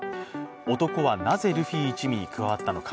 男はなぜ、ルフィ一味に加わったのか。